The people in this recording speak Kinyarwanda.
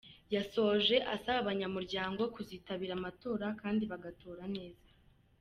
Yasoje asaba abanyamuryango kuzitabira amatora kandi bagatora neza.